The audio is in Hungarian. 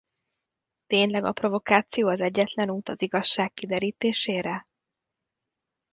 Tényleg a provokáció az egyetlen út az igazság kiderítésére?